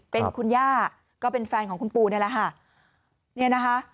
เป็นคุณย่าก็เป็นแฟนของคุณปู่นี่ล่ะค่ะ